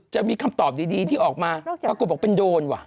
จะมีคำตอบดีที่ออกมาปรากฏบอกเป็นโดนว่ะ